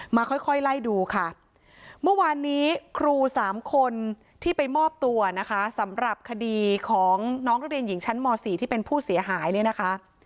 ค่อยค่อยไล่ดูค่ะเมื่อวานนี้ครูสามคนที่ไปมอบตัวนะคะสำหรับคดีของน้องนักเรียนหญิงชั้นม๔ที่เป็นผู้เสียหายเนี่ยนะคะ